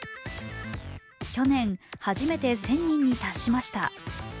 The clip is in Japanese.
去年初めて１０００人に達しました。